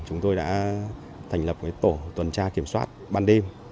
chúng tôi đã thành lập tổ tuần tra kiểm soát ban đêm